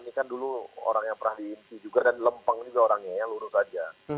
ini kan dulu orang yang pernah diinsi juga dan lempeng juga orangnya ya lurus saja